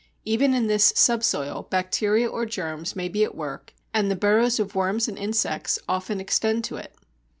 Even in this subsoil, bacteria or germs may be at work, and the burrows of worms and insects often extend to it.